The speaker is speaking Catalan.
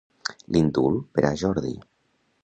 L'indult per a Jordi.